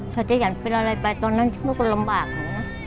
เขาจะอย่างเป็นอะไรไปตอนนั้นช่วยกับลำบากหนึ่งนะ